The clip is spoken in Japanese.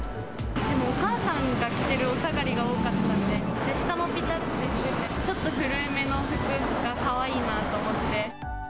お母さんが着てるお下がりが多かったので、下もぴたっとしてて、ちょっと古めの服がかわいいなと思って。